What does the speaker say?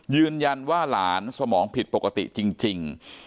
ยืนยันว่าหลานสมองผิดปกติจริง